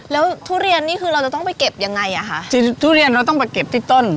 แล้วทุเรียนนี่คือเราจะต้องไปเก็บยังไงอ่ะคะจริงทุเรียนเราต้องไปเก็บที่ต้น